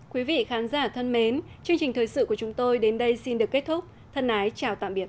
quý vị khán giả thân mến chương trình thời sự của chúng tôi đến đây xin được kết thúc thân ái chào tạm biệt